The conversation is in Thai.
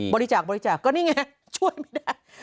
บริจาคก็นี่ไงช่วยไม่ได้